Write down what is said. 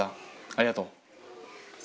ありがとう。